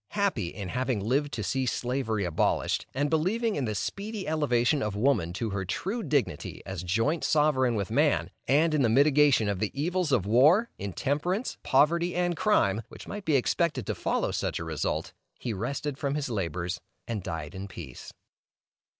Happy in having lived to see Slavery abolished, and believing in the speedy elevation of woman to her true dignity as joint sovereign with man, and in the mitigation of the evils of war, intemperance, poverty, and crime, which might be expected to follow such a result, he rested from his labors, and died in peace.